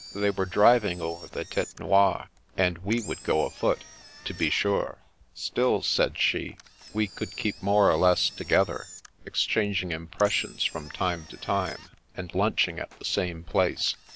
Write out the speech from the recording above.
They were driving over the Tete Noire, and we would go afoot, to be sure; still, said she, we could keep more or less to gether, exchanging impressions from time to time, and lunching at the same place.